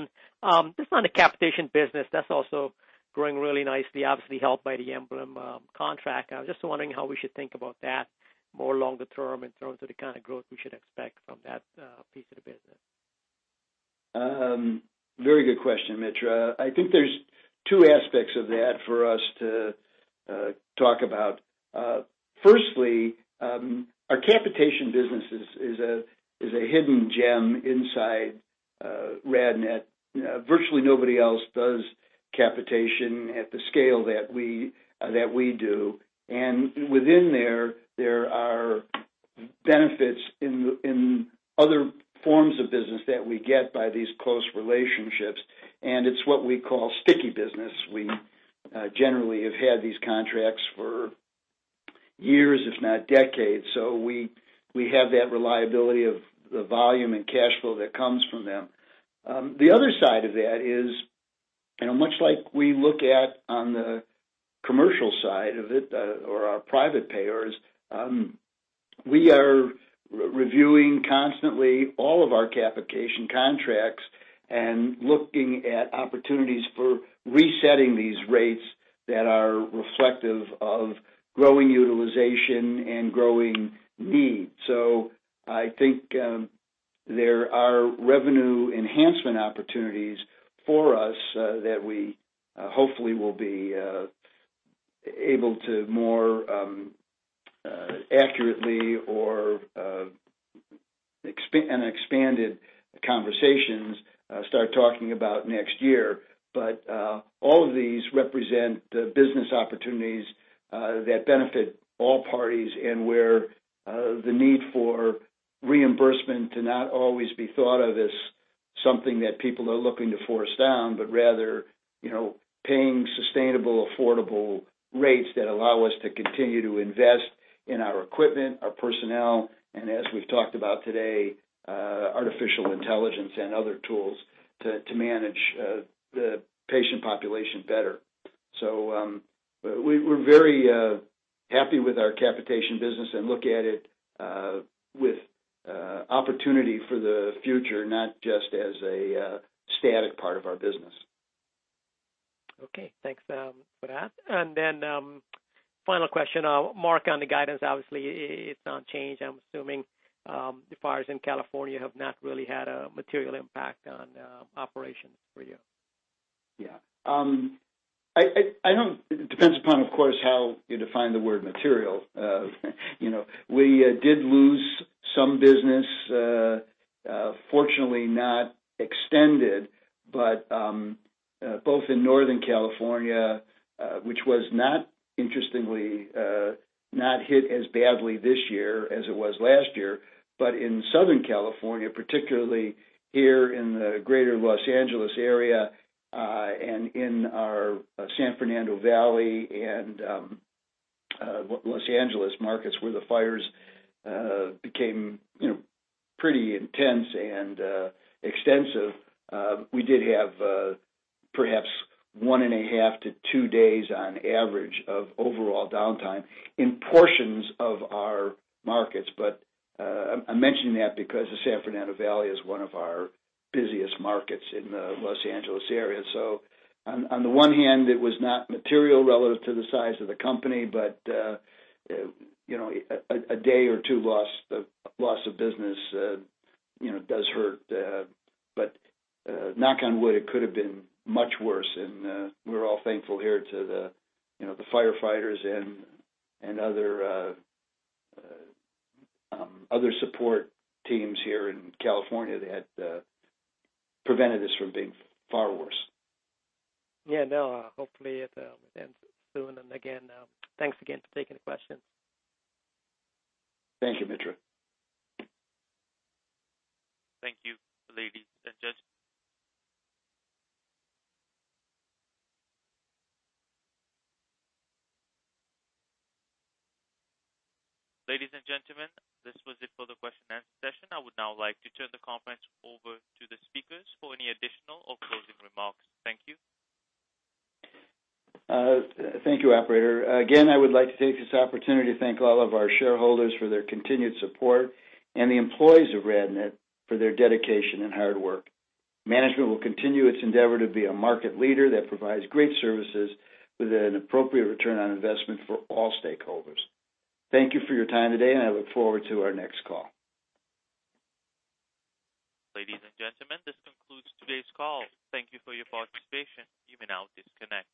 Just on the capitation business, that's also growing really nicely, obviously helped by the Emblem contract. I was just wondering how we should think about that more longer term in terms of the kind of growth we should expect from that piece of the business. Very good question, Mitra. I think there's two aspects of that for us to talk about. Firstly, our capitation business is a hidden gem inside RadNet. Virtually nobody else does capitation at the scale that we do. Within there are benefits in other forms of business that we get by these close relationships, and it's what we call sticky business. We generally have had these contracts for years, if not decades. We have that reliability of the volume and cash flow that comes from them. The other side of that is, much like we look at on the commercial side of it, or our private payers, we are reviewing constantly all of our capitation contracts and looking at opportunities for resetting these rates that are reflective of growing utilization and growing need. I think there are revenue enhancement opportunities for us that we hopefully will be able to more accurately or in expanded conversations, start talking about next year. All of these represent business opportunities that benefit all parties and where the need for reimbursement to not always be thought of as something that people are looking to force down, but rather paying sustainable, affordable rates that allow us to continue to invest in our equipment, our personnel, and as we've talked about today, artificial intelligence and other tools to manage the patient population better. We're very happy with our capitation business and look at it with opportunity for the future, not just as a static part of our business. Okay. Thanks for that. Final question, Mark, on the guidance, obviously, it's not changed. I'm assuming, the fires in California have not really had a material impact on operations for you. Yeah. It depends upon, of course, how you define the word material. We did lose some business, fortunately not extended, both in Northern California, which was interestingly, not hit as badly this year as it was last year, but in Southern California, particularly here in the Greater Los Angeles area, and in our San Fernando Valley and Los Angeles markets where the fires became pretty intense and extensive. We did have perhaps one and a half to two days on average of overall downtime in portions of our markets. I'm mentioning that because the San Fernando Valley is one of our busiest markets in the Los Angeles area. On the one hand, it was not material relative to the size of the company, but a day or two loss of business does hurt. Knock on wood, it could have been much worse. We're all thankful here to the firefighters and other support teams here in California that prevented this from being far worse. Yeah. Hopefully it ends soon. Again, thanks again for taking the questions. Thank you, Mitra. Thank you, ladies and gents. Ladies and gentlemen, this was it for the question and answer session. I would now like to turn the conference over to the speakers for any additional or closing remarks. Thank you. Thank you, operator. Again, I would like to take this opportunity to thank all of our shareholders for their continued support and the employees of RadNet for their dedication and hard work. Management will continue its endeavor to be a market leader that provides great services with an appropriate return on investment for all stakeholders. Thank you for your time today, and I look forward to our next call. Ladies and gentlemen, this concludes today's call. Thank you for your participation. You may now disconnect.